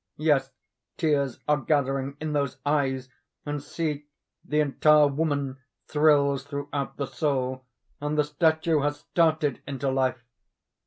Yes! tears are gathering in those eyes—and see! the entire woman thrills throughout the soul, and the statue has started into life!